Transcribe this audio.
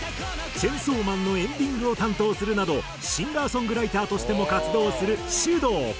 『チェンソーマン』のエンディングを担当するなどシンガーソングライターとしても活動するｓｙｕｄｏｕ。